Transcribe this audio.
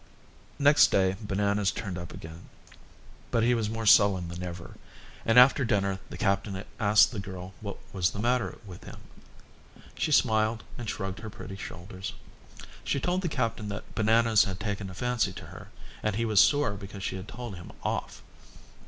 Next day Bananas turned up again, but he was more sullen than ever, and after dinner the captain asked the girl what was the matter with him. She smiled and shrugged her pretty shoulders. She told the captain that Bananas had taken a fancy to her and he was sore because she had told him off.